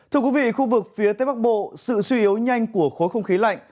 thưa quý vị khu vực phía tây bắc bộ sự suy yếu nhanh của khối không khí lạnh